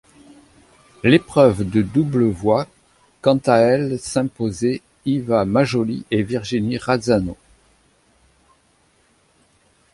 L'épreuve de double voit quant à elle s'imposer Iva Majoli et Virginie Razzano.